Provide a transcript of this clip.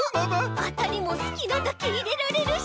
あたりもすきなだけいれられるし！